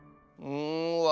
うん。